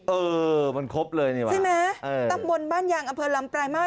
เออมันครบเลยนี่ว่ะใช่ไหมตำบลบ้านยางอำเภอลำปลายมาส